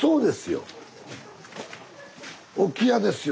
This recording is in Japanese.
置屋ですよ